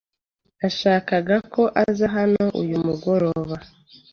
Nashakaga ko aza hano uyu mugoroba.